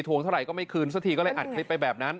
เท่าไหร่ก็ไม่คืนสักทีก็เลยอัดคลิปไปแบบนั้น